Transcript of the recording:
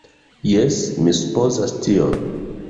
Jes, mi supozas tion